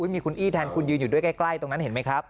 มีคุณอี้แทนคุณยืนอยู่ด้วยใกล้ตรงนั้นเห็นไหมครับ